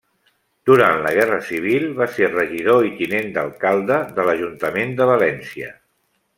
Durant la Guerra Civil va ser regidor i tinent d'alcalde de l'Ajuntament de València.